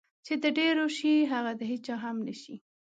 چې د ډېرو شي هغه د هېچا هم نشي.